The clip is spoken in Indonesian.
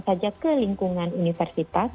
saja ke lingkungan universitas